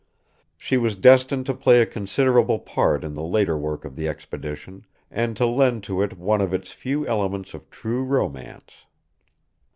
She was destined to play a considerable part in the later work of the expedition, and to lend to it one of its few elements of true romance.